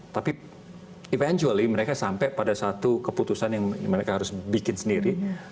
tapi eventualy mereka sampai pada satu keputusan yang mereka harus bikin sendiri